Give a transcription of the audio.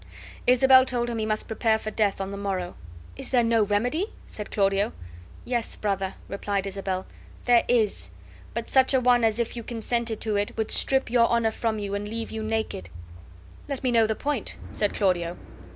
Isabel told him he must prepare for death on the morrow. "Is there no remedy?" said Claudio. "Yes, brother," replied Isabel, "there is; but such a one as if you consented to it would strip your honor from you and leave you naked." "Let me know the point," said Claudio.